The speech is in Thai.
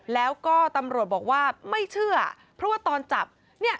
แล้วก็ตำรวจบอกว่าไม่เชื่อเพราะว่าตอนจับเนี่ย